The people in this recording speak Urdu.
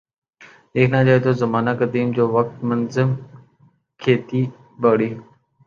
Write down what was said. دیکھنا جائے تو زمانہ قدیم جو وقت منظم کھیتی باڑی